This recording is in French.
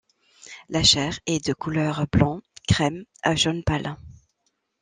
La chair est de couleur blanc crème à jaune pâle.